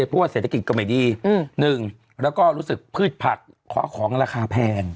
เพราะว่าเศรษฐกิจก็ไม่ดีหนึ่งแล้วก็รู้สึกพืชผักเคาะของราคาแพง